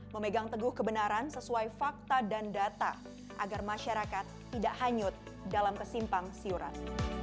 memegang teguh kebenaran sesuai fakta dan data agar masyarakat tidak hanyut dalam kesimpang siuran